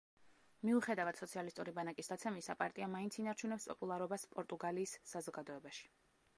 მიუხედავად სოციალისტური ბანაკის დაცემისა, პარტია მაინც ინარჩუნებს პოპულარობას პორტუგალიის საზოგადოებაში.